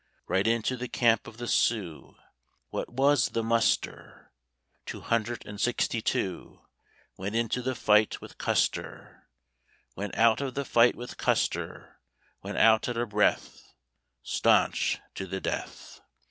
Right into the camp of the Sioux (What was the muster?), Two hundred and sixty two Went into the fight with Custer, Went out of the fight with Custer, Went out at a breath, Stanch to the death!